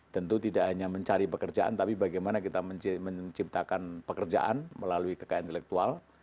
tentu tidak hanya mencari pekerjaan tapi bagaimana kita menciptakan pekerjaan melalui kekayaan intelektual